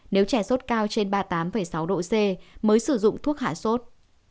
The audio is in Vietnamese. nếu trẻ sốt cao trên ba mươi tám sáu độ c mới sử dụng thuốc hạ sốt